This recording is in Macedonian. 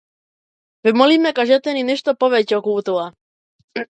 Ве молиме кажете ни нешто повеќе околу тоа.